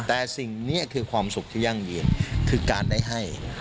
แต่สิ่งนี้คือความสุขที่ยั่งยืนคือการได้ให้